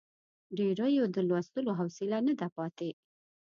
ډېریو د لوستلو حوصله نه ده پاتې.